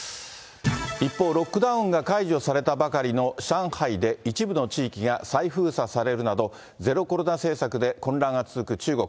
一方、ロックダウンが解除されたばかりの上海で、一部の地域が再封鎖されるなど、ゼロコロナ政策で混乱が続く中国。